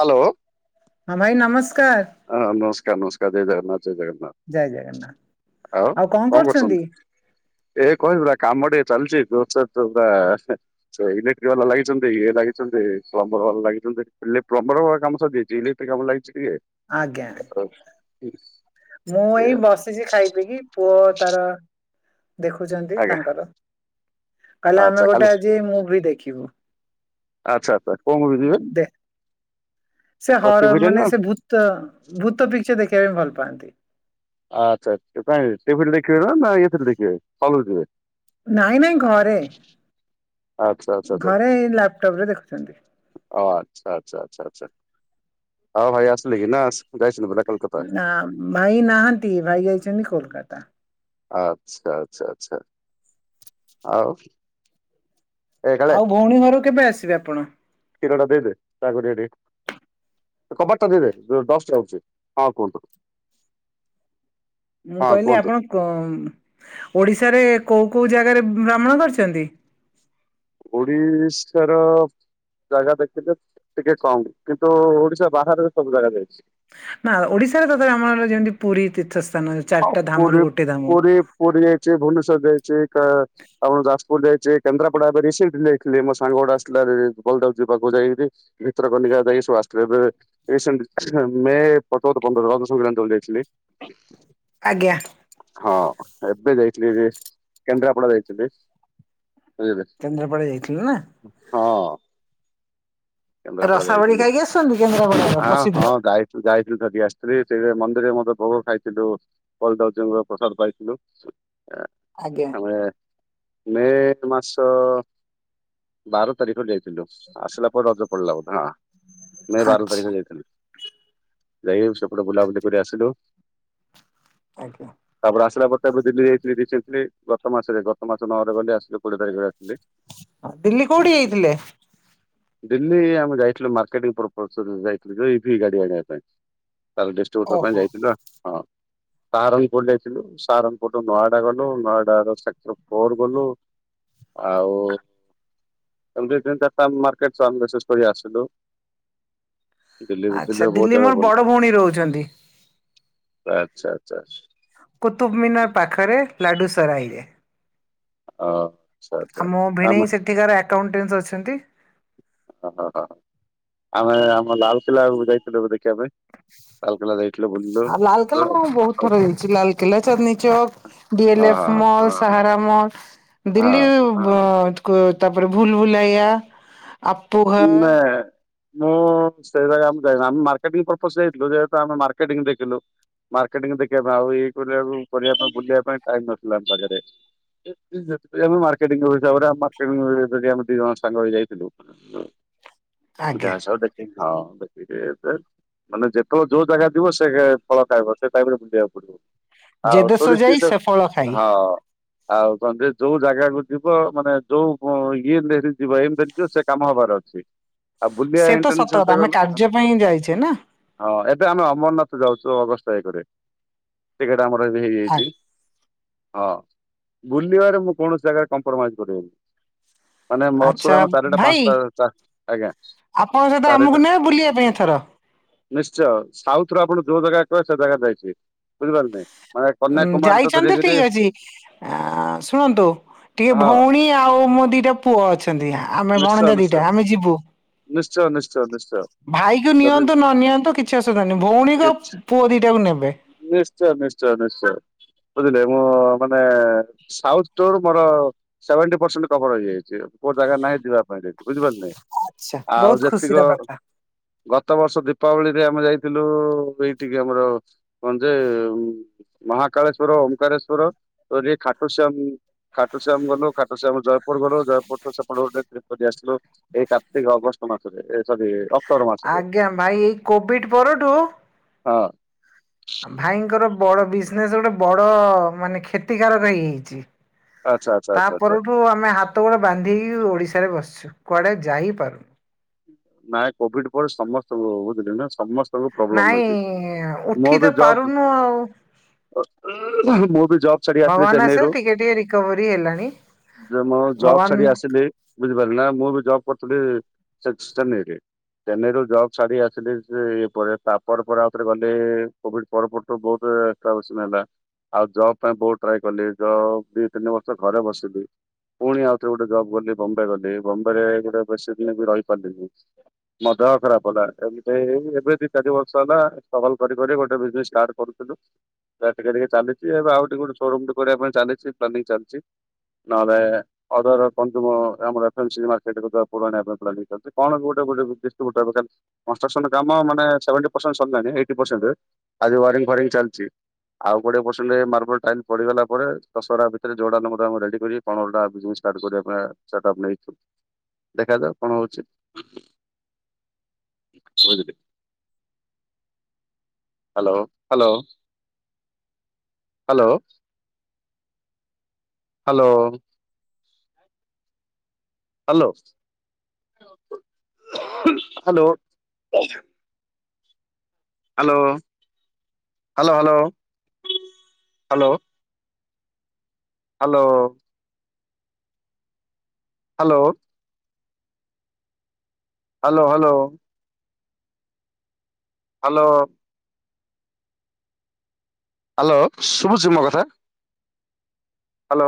Hello. ହଁ ଭାଇ ନମସ୍କାର। ହଁ ନମସ୍କାର ନମସ୍କାର ଜୟ ଜଗନ୍ନାଥ ଜୟ ଜଗନ୍ନାଥ। ଆଉ କଣ କରୁଛନ୍ତି? ଏ କହିବି ପୁରା କାମ ଟିକେ ଚାଲିଛି ଜୋରସର୍ ଜୋରଦାର। ସେ ଇଲେକ୍ଟ୍ରିକ ବାଲା ଲାଗିଛନ୍ତି ଇଏ ଲାଗିଛନ୍ତି ପ୍ଲମ୍ବର ବାଲା ଲାଗିଛନ୍ତି ହେଲେ ପ୍ଲମ୍ବର ବାଲା କାମ ସରିଯାଇଛି ଇଲେ କ୍ଟ୍ରି କାମ ଲାଗିଛି ଆଜ୍ଞା ଟିକେ। ମୁଁ ଏ, ଏଇ ବସିଛି ଖାଇ ପିଇକି ପୁଅ ତାର ଦେଖୁଛନ୍ତି ଆଜ୍ଞା ତାଙ୍କର। କହିଲା ଆମେ ଆଚ୍ଛା କାଲି ଗୋଟେ ଆଜି ମୁଭି ଦେଖିବୁ। ଆଚ୍ଛା ଆଚ୍ଛା କୋଉ ମୁଭି ଯିବେ? ଦେ ସେ କଣ ହରର ଟିଭିରେ ମାନେ ନା ସେ ଭୂତ ଭୂତ ପିକଚର ଦେଖିବା ପାଇଁ ଭଲ ପାଆନ୍ତି। ଆଚ୍ଛା ଆଚ୍ଛା ଟିଭି ରେ ଦେଖିବେ ନା ଏଥିରେ ଦେଖିବେ ହଲକୁ ଯିବେ? ନାଇଁ ନାଇଁ ଘରେ। ଆଚ୍ଛା ଆଚ୍ଛା ଆଚ୍ଛା ଘରେ ଲାପଟପ ରେ ଦେଖୁଛନ୍ତି। ଓ ଆଚ୍ଛା ଆଚ୍ଛା ଆଚ୍ଛା ଆଚ୍ଛା ହଉ ଭାଇ ଆସିଲେ କି ନା ଆସ୍ ନା ଭାଇ ନାହାନ୍ତି ଭାଇ ଯାଇଛନ୍ତି କୋଲକାତା। ଆଚ୍ଛା ଆଚ୍ଛା ଆଚ୍ଛା ଆଉ। ଏ ଆଉ ଭଉଣୀ ଘରକୁ କେବେ ଆସିବେ ଆପଣ? କ୍ଷୀର ଟା ଦେଇଦେ ତାଙ୍କୁ ଦେଇଦେ। କବାଟ ଟା ଦେଇ ଦେ ଡଷ୍ଟ ଆଉଛି ହଁ କୁହନ୍ତୁ। ମୁଁ ହଁ କହିଲି କୁହନ୍ତୁ ଆପଣ କ ଓଡିଶାରେ କୋଉ କୋଉ ଜାଗାରେ ଭ୍ରମଣ କରିଛନ୍ତି? ଓଡିଶା ର ଜାଗା ଦେଖିତେ ଟିକେ କମ କିନ୍ତୁ ଓଡିଶା ବାହାରେ ସବୁ ଜାଗା ଯାଇଛି। ନା ଓଡିଶାରେ ତଥାବି ଆମର ଯେମିତି ପୁରୀ ତୀର୍ଥସ୍ଥାନ। ହଁ ପୁରୀ ପୁରୀ ପୁରୀ ଯାଇଚି ଭୁନେଶ୍ୱର ଯାଇଚି କା ଆପଣ ଯାଜପୁର ଯାଇଚି, କେନ୍ଦ୍ରାପଡା ଏବେ ରିସେଣ୍ଟଲି ଯାଇଥିଲି, ମୋ ସାଙ୍ଗ ଗୋଟେ ଆସିଥିଲା ରେ ବଲଦଜ ଯ ପାଖକୁ ଯାଇକି। ଭିତରକନିକା ଯାଇକି ସବୁ ଆସଥିଲେ ଏବେ। ରିସେଣ୍ଟଲି ମେ ପ ଚଉଦ ପନ୍ଦର [unintelligible] ଯାଇଥିଲି। ଆଜ୍ଞା ହଁ ଏବେ ଯାଇଥିଲି ଯେ କେନ୍ଦ୍ରାପଡା ଯାଇଥିଲି। ବୁଝିଲେ କେନ୍ଦ୍ରାପଡା ଯାଇଥିଲୁ ନା? ହଁ କେନ୍ଦ୍ରାପଡା ରସାବଳି ଯାଇଥିଲି ଖାଇକି ଆସଛନ୍ତି କେନ୍ଦ୍ରାପଡାର ଆଁ ପ୍ରସିଦ୍ଧ। ହଁ ଯାଇ ସେ ଯାଇଥିଲୁ ଧରିକି ଆସିଥିଲି ସେଇ ମନ୍ଦିରରେ ମଧ୍ୟ ଭୋଗ ଖାଇଥିଲୁ। ପ୍ରଦଜଙ୍କର ପ୍ରସାଦ ପାଇଥିଲୁ। ଆଜ୍ଞା ଆମେ ମେ ମାସ ବାର ତାରିଖରେ ଯାଇଥିଲୁ ଆସିଲା ପରେ ରଜ ପଡିଲା ବଧେ ହଁ। ମେ ବାର ଆଚ୍ଛା ତାରିଖରେ ଯାଇଥିଲୁ ଯାଇକି ସେପଟେ ବୁଲାବୁଲି କରି ଆସିଲୁ। ଆଜ୍ଞା ତାପରେ ଆସିଲା ପରେ ତ ଏବେ ଦିଲ୍ଲୀ ଯାଇଥିଲି ରିସେଣ୍ଟଲି ଗତ ମାସରେ ଗତ ମାସ ନଅରେ ଗଲି ଆସିଲି କୋଡିଏ ତାରିଖରେ ରାତିରେ। ଆ ଦିଲ୍ଲୀ କୋଉଠିକି ଯାଇଥିଲେ? ଦିଲ୍ଲୀ ଆମେ ଯାଇଥିଲୁ, ମାର୍କେଟିଙ୍ଗ ପ୍ରପୋଜରେ ଯାଇଥିଲୁ, ଯଉ ଇଭି ଗାଡି ଆଣିବା ପାଇଁ। ତାର ଡିଷ୍ଟ୍ରିବ୍ୟୁଟର ପାଇଁ ଓହୋ ଯାଇଥିଲୁ ଆଉ ହଁ। ସାରଙ୍ଗପୁର ଯାଇଥିଲୁ। ସାରଙ୍ଗପୁରରୁୁ ନଏଡା ଗଲୁ, ନଏଡା ର ସେକ୍ଟର ଫୋର ଗଲୁ। ଆଉ ଏମତି ତିନ ଚାରିଟା ମାର୍କେଟ ସନ ବେସିସ କରି ଆସିଲୁ। ଦିଲ୍ଲୀ ଆଚ୍ଛା ଭିତରେ ବହୁତ ଦିଲ୍ଲୀ ଜାଗା ମୋର ବଡ ଭଉଣୀ ରହୁଛନ୍ତି ବୁଲ ଆଚ୍ଛା ଆଚ୍ଛା କୁତୁବମୀନାର ପାଖରେ ଲାଡ଼ୁ ସରାଇରେ। ଅ ଆମ ଭେଣେଇ ସେଠିକାର ଆକାଉଣ୍ଟାନ୍ସ ଅଛନ୍ତି। ଓ ହ ହ ହ ଆମେ ଆମ ଲାଲକିଲ୍ଲା କୁ ଯାଇଥିଲୁ ଏବେ ଦେଖିବା ପାଇଁ। ଲାଲକିଲ୍ଲା ଯାଇ ଆଉ ଲାଲକେଲା ମୁଁ ବହୁତ ଥର ଯାଇଚି ଲାଲକେଲା ଚାନ୍ଦନୀ ଚକ ଡିଏଲଫ ହଁ ମଲ। କାହାରା ମଲ ଦିଲ୍ଲୀ ହଁ ତାପରେ ଭୁଲ ଭୁଲେଇଆ ଆପ [unintelligible] ମୁଁ ସେଇ ଜାଗା ଆମେ ଯାଇନୁ ଆମେ ମାର୍କେଟିଙ୍ଗ ପ୍ରପୋଜରେ ଯାଇଥିଲୁ ଯେହେତୁ ଆମେ ମାର୍କେଟିଙ୍ଗ ଦେଖିଲୁ। ମାର୍କେଟିଂ ଦେଖିବା ପାଇଁ ଆଉ ଏଇ କରିବା କରିବା ପାଇଁ ବୁଲିବା ପାଇଁ ଟାଇମ ନସଥିଲା ଆମ ପାଖରେ। [unintelligible] ଆମେ ଦି ଜଣ ସାଙ୍ଗ ଯାଇଥିଲୁ। ଆଜ୍ଞା ଯାହା ସହ ଦେଖି ହଁ ଦେଖିକି ମାନେ ଯେତେକ ଯୋଉ ଜାଗା ଯିବ ସେ ଫଳ ପାଇବ ସେ ଟାଇପ ରେ ବୁଝେଇବାକୁ ପଡିବ। ଯେ ଆଉ ଦେଶ ଯାଇ ଟୁରିଷ୍ଟି ସ ସେ ଫଳ ଖାଇ ହଁ। ଆଉ ତମେ ଯୋଉ ଜାଗାକୁ ଯିବ ମାନେ ଯୋଉ ଇଏ ଧରି କି ଯିବ ଏମତି ଧରିକି ଯିବ ସେ କାମ ହବାର ଅଛି ଆଉ ବୁଲିଆ ସେ ତ ସତ ଇଣ୍ଟେନସନ କଥା ରେ ଆମେ ଗଲେ କାର୍ଯ୍ୟ ପାଇଁ ଯାଇଛେ ନା ହଁ ଏବେ ଆମେ ଅମରନାଥ ଯାଉଚୁ ଅଗଷ୍ଟ ତାରିଖରେ ଟିକେଟ ଆମର ଏବେ ହେଇଯାଇଚି। ହଁ ବୁଲିବାରେ ମୁଁ କୌଣସି ଜାଗାରେ କମ୍ପରମାଇଜ କରିବିନି। ମାନେ ଆଚ୍ଛା ମରସୁରା ଆମ ଚାରିଟା ଭାଇ ପାଞ୍ଚଟା ଚାର ଆଜ୍ଞା ଆପଣଙ୍କ ସହିତ ଆମକୁ ଚାରିଟା ନେବେ ବୁଲିବା ପାଇଁ ଏଥର ନିଶ୍ଚୟ ସାଉଥ ରୁ ଆପଣ ଯୋଉ ଜାଗା କହେ ସେ ଜାଗା ଯାଇଛି ବୁଝିପାରିଲେ। ମାନେ ଉଁ କନ୍ୟାକୁମାରୀ ଠୁ ଯାଇଛନ୍ତି ଧରିକିରି ଠିକ ଅଛି ଆ ଶୁଣନ୍ତୁ ଟିକେ ହଁ ଭଉଣୀ ଆଉ ମୋ ଦିଟା ପୁଅ ଅଛନ୍ତି, ଆମେ ନିଶ୍ଚୟ ଭଣଜା ନିଶ୍ଚୟ। ଦିଟା, ଆମେ ଯିବୁ। ନିଶ୍ଚୟ ନିଶ୍ଚୟ ନିଶ୍ଚୟ ଭାଇ କୁ ଯଦି ନିଅନ୍ତୁ ନ ନିଅନ୍ତୁ କିଛି ଅସୁବିଧା ନାହିଁ ଭଉଣୀକୁ କିଛି ଆଉ ପୁଅ ଦିଟାକୁ ନେବେ। ନିଶ୍ଚୟ ନିଶ୍ଚୟ ନିଶ୍ଚୟ ବୁଝିଲେ ମୁଁ ମାନେ ସାଉଥ୍ ଟୋର୍ ମୋର ସେଭେଣ୍ଟି ପରସେଣ୍ଟ କଫର ହେଇଯାଇଛି। କୋଉ ଜାଗା ନାହିଁ ଯିବା ପାଇଁ ଯାଇ ବୁଝିପାରିଲ ନାଁ। ଆଚ୍ଛା ଆଉ ବହୁତ ଖୁସିର ଯେତିକ କଥା ଗତ ବର୍ଷ ଦୀପାବଳିରେ ଆମେ ଯାଇଥିଲୁ, ଏଇଠିକି ଆମର କଣ ଯେ ମହାକାଳେଶଵର ଓମ୍କାରେଶ୍ଵର ତ ଖାଟୁସ୍ୟମ୍ ଖାଟୁସିଆ ଆମ ଗଲୁ, ଖାଟୁ ଆମ ଜୟପୁର ଗଲୁ, ଜୟପୁର ତ ସେପ ଗୋଟେ କାରତିକ ଅଗଷ୍ଟ ମାସରେ ସ ଆଜ୍ଞା ଭାଇ ଏଇ କୋଭିଡ ପରଠୁ। ହଁ। ଭାଇଙ୍କର ବଡ ବିଜନେସ ଗୋଟେ ବଡ ମାନେ କ୍ଷତିକାରକ ହେଇଯାଇଛି। ଆଚ୍ଛା ଆଚ୍ଛା ତା ଆଚ୍ଛା ଆଚ୍ଛା ପରରଠୁ ଆମେ ହାତ ଗତ ଗୋଡ଼େ ବାନ୍ଧିକି ଓଡ଼ିଶାରେ ବସିଛୁ। କୁଆଡେ ଯାଇପାରୁନୁ। ନାଇଁ କୋଭିଡ ପରେ ସମସ୍ତଙ୍କୁ ବୁଝିଲ ସମସ୍ତେ ପ୍ରୋବ୍ଲେମ୍ ନାଇଁ ଅହିଛି ମୁଁ ଉଠି ଏ ତ ବି ଜବ ପାରୁନୁ ଆଉ ମୁଁ ବି ଜବ ଛାଡି ଆସିଲି ଭଗବାନ ଚେନ୍ନାଇରୁୁ। ଆଶୀର୍ବାଦ ଟିକେ ଟିକେ ରିକଭରି ହେଲାଣି। ଜବ୍ ଛାଡି ଭଗବାନ ଆସିଲି। ବୁଝିପାରିଲି ନା। ମୁଁ ବି ଜବ୍ କରିୁଥିଲି। [unintelligible] ଚେନ୍ନାଇରୁୁ ଜଗ ଛାଡି ଆସିଲି ପରେ ତାପ ପରେ ଆଉ ଥରେ ଗଲେ କୋଭିଡ୍ ତ ବହୁତନ ହେଲା। ଆଉ ଜବ୍ ପାଇଁ ବହୁତ ଟ୍ରାଏ କଲି ଜବ୍ ଦି ତିନି ବର୍ଷ ଘରେ ବସିଲି। ପୁଣି ଆଉଥରେ ଗୋଟେ ଜବ୍ ଗଲି ବମ୍ବେ ଗଲି ବମ୍ବେ ରେ ଗୋଟେ ବେଶୀ ଦିନ ବି ରହିପାରିଲିନି। ମୋ ଦେହ ଖରାପ ହେଲା ଏମିତି ଏବେ ଦିଇ ଚାରି ବର୍ଷ ହେଲା ଷ୍ଟଗଲ କରି ଗୋଟେ ବିଜିନେସେ ଷ୍ଟାର୍ଟ କଲି। ଟିକେ ଟିକେ ଚାଲିଛି ଏବେ ଆଉ ଟିକେ ଗୋଟେ ସୋ ର କରିବା ପାଇଁ ଚାଲିଛି ପ୍ଲାନିଂ ଚାଲିଛି ନହେଲେ [unintelligible] ମତି କଣ ଗୋଟେ ଗଟେ ଡିଟ ଦ [unintelligible] କାମ ସେଭେନ୍ତି ପସେଣ୍ଟ ସାରିଲାଣି ଏଇଟି ପସେଣ୍ଟ ଆଉ ଯୋଉଁ ୱାରିଙ୍ଗ ଫ୍ୱାରିଙ୍ଗ ଚାଲିଛି। ଆଉ ଗୋଡିଏ ପସେଣ୍ଡ ମାର୍ବଲ ଟାଇଲ ପଡିଗଲା ପରେ ଦଶହରା ଭିତରେ ଯୋଡାମେ ରେଡି କରିବି। ପର ଟା ବିଜନସ୍ କରିବା ପାଇଁ ପ୍ ନେଇୁ ଦେଖାଯାଉ କଣ ହଉଛି। [unintelligible] Hello hello. Hello. Hello. Hello hello. Hello hello hello hello. Hello. Hello. Hello hello. Hello. Hello ସୁଭୁଚି ମୋ କଥା? ହ୍ୟାଲୋ।